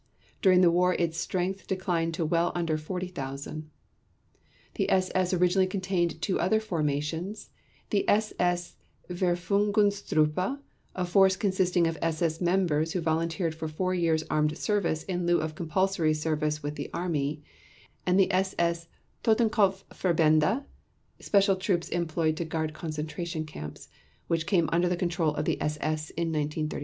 During the war its strength declined to well under 40,000. The SS originally contained two other formations, the SS Verfügungstruppe, a force consisting of SS members who volunteered for four years' armed service in lieu of compulsory service with the Army, and the SS Totenkopf Verbände, special troops employed to guard concentration camps, which came under the control of the SS in 1934.